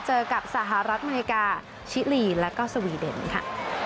เจอกับสหรัฐอเมริกาชิลีแล้วก็สวีเดนค่ะ